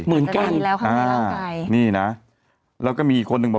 เหมือนกันนี่นะแล้วก็มีอีกคนหนึ่งบอก